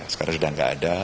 sekarang sudah nggak ada